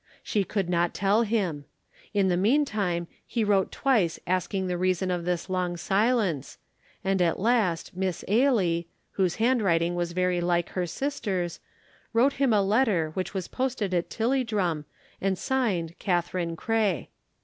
She could not tell him. In the meantime he wrote twice asking the reason of this long silence, and at last Miss Ailie, whose handwriting was very like her sister's, wrote him a letter which was posted at Tilliedrum and signed "Katherine Cray."